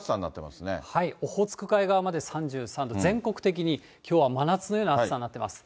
オホーツク海側まで３３度、全国的にきょうは真夏のような暑さになっています。